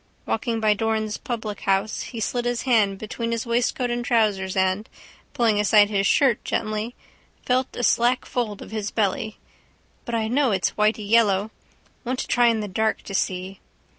Walking by Doran's publichouse he slid his hand between his waistcoat and trousers and, pulling aside his shirt gently, felt a slack fold of his belly. But I know it's whitey yellow. Want to try in the dark to see.